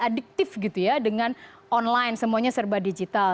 adiktif gitu ya dengan online semuanya serba digital